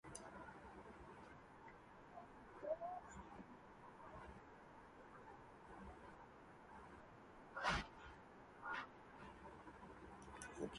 A bundle of these fibers is called a motor nerve or an efferent nerve.